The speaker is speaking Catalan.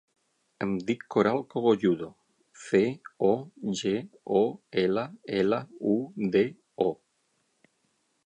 Em dic Coral Cogolludo: ce, o, ge, o, ela, ela, u, de, o.